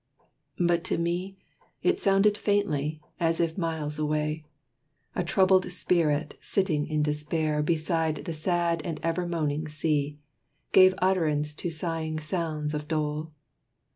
But to me It sounded faintly, as if miles away, A troubled spirit, sitting in despair Beside the sad and ever moaning sea, Gave utterance to sighing sounds of dole.